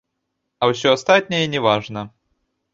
А ўсё астатняе не важна.